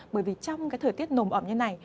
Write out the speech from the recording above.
bởi vì trong cái thời tiết nồm ẩm như này